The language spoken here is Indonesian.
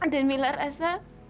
dan mila rasa